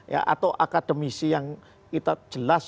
ya atau akademisi yang kita jelas